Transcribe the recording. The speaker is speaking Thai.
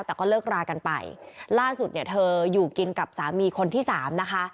แต่ก็เลิกรากันไปล่าสุดเนี่ยเธออยู่กินกับสามีคนที่สามนะคะ